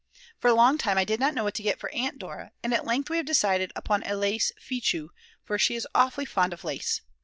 For a long time I did not know what to get for Aunt Dora, and at length we have decided upon a lace fichu; for she is awfully fond of lace.